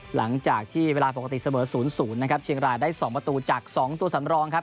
หลังจากที่เวลาปกติเสมอ๐๐นะครับเชียงรายได้๒ประตูจาก๒ตัวสำรองครับ